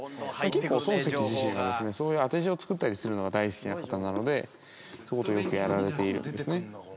結構漱石自身がそういう当て字を作ったりするのが大好きな方なのでそういうことをよくやられているんですね